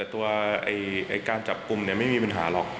ตัวการจับกลุ่มไม่มีปัญหาหรอก